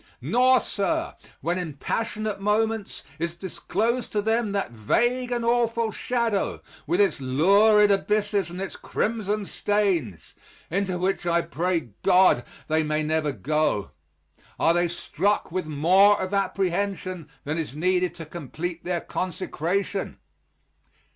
Nor, sir, when in passionate moments is disclosed to them that vague and awful shadow, with its lurid abysses and its crimson stains, into which I pray God they may never go, are they struck with more of apprehension than is needed to complete their consecration!